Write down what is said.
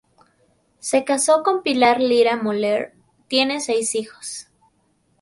Se casó con Pilar Lira Moller; tiene seis hijos.